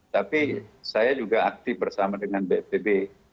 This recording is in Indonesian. tapi saya juga aktif bersama dengan bnpb